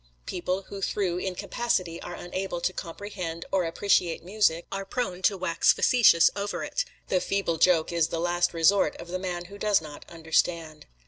People who through incapacity are unable to comprehend or appreciate music, are prone to wax facetious over it the feeble joke is the last resort of the man who does not understand.